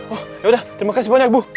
oh yaudah terima kasih banyak bu